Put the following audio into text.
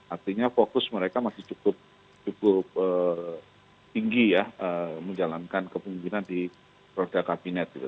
artinya fokus mereka masih cukup tinggi ya menjalankan kepemimpinan di kementeriannya